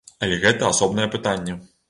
Але гэта асобнае пытанне.